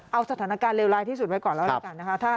เอาสถานการณ์เร็วร้ายที่สุดไว้ก่อนแล้วนะครับ